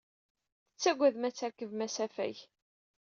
Tettagadem ad trekbem asafag.